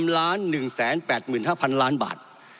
๓ล้าน๑๘๕พันล้านบาท